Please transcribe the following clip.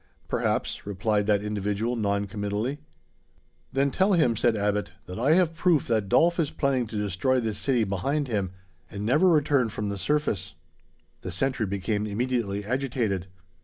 "Perhaps," replied that individual non committally. "Then tell him," said Abbot, "that I have proof that Dolf is planning to destroy this city behind him, and never return from the surface." The sentry became immediately agitated.